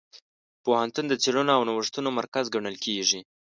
پوهنتون د څېړنو او نوښتونو مرکز ګڼل کېږي.